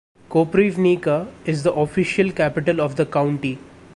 Koprivnica is the official capital of the county.